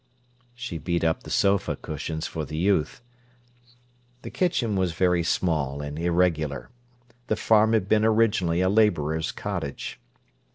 She beat up the sofa cushions for the youth. The kitchen was very small and irregular. The farm had been originally a labourer's cottage.